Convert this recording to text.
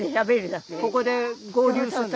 ここで合流するの？